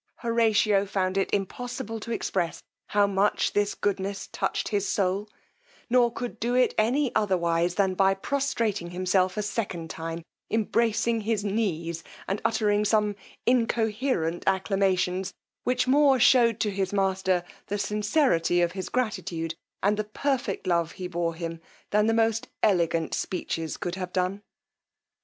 Horatio found it impossible to express how much this goodness touched his soul; nor could do it any otherwise than by prostrating himself a second time, embracing his knees, and uttering some incoherent acclamations, which more shewed to his master the sincerity of his gratitude, and the perfect love he bore him, than the most elegant speeches could have done.